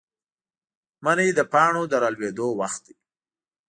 منی د پاڼو د رالوېدو وخت دی.